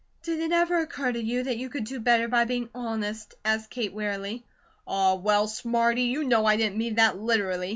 "Did it ever occur to you that you could do better by being honest?" asked Kate, wearily. "Aw, well, Smarty! you know I didn't mean that literally!"